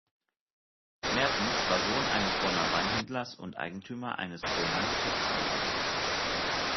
Mertens war Sohn eines Bonner Weinhändlers und Eigentümer eines Kölner Geschäftshauses.